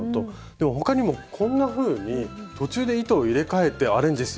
でも他にもこんなふうに途中で糸を入れかえてアレンジすることもできるんですよ。